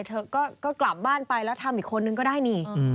เธอก็กลับบ้านไปแล้วทำอีกคนนึงก็ได้นี่